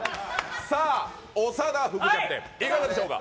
さあ長田副キャプテンいかがでしょうか。